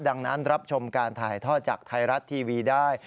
ดังนั้นรับชมการถ่ายทอดจากไทยรัฐทีวีได้